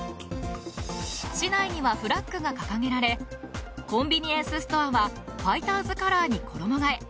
市内にはフラッグが掲げられ、コンビニエンスストアはファイターズカラーに衣替え。